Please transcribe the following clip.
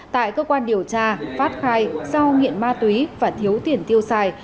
tại cơ quan điều tra phát khai do nghiện ma túy và thiếu tiền tiêu xài